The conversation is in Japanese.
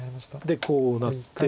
でこうなって。